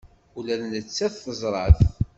Ula d nettat teẓra-t.